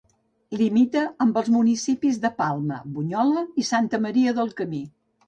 Limita amb els municipis de Palma, Bunyola i Santa Maria del Camí.